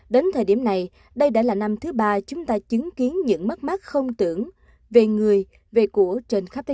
đến thời điểm này đây đã là năm thứ ba chúng ta chứng kiến những mắc mắc không tưởng về người về của trên khắp thế giới